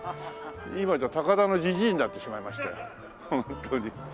今じゃ高田のジジイになってしまいましたよ。